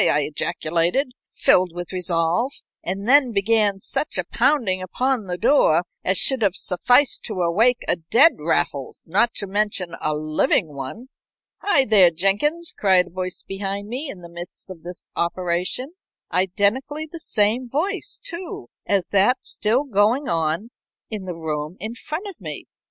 I ejaculated, filled with resolve, and then began such a pounding upon the door as should have sufficed to awake a dead Raffles, not to mention a living one. "Hi, there, Jenkins!" cried a voice behind me, in the midst of this operation, identically the same voice, too, as that still going on in the room in front of me.